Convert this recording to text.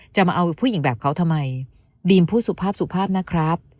จะมาเอาผู้หญิงแบบเขาทำไมดีมพูดสุภาพสุภาพนะครับ